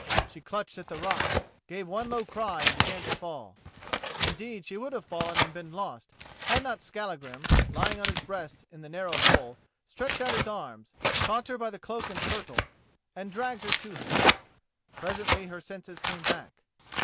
She clutched at the rock, gave one low cry and began to fall. Indeed she would have fallen and been lost, had not Skallagrim, lying on his breast in the narrow hole, stretched out his arms, caught her by the cloak and kirtle and dragged her to him. Presently her senses came back.